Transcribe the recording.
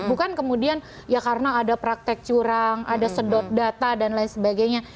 bukan kemudian ya karena ada praktek curang ada sedot data dan lain sebagainya